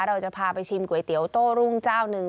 เราจะพาไปชิมก๋วยเตี๋ยวโต้รุ่งเจ้าหนึ่ง